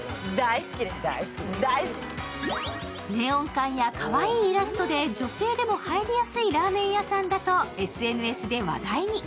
ネオン管やかわいいイラストで女性でも入りやすいラーメン屋さんだと、ＳＮＳで話題に。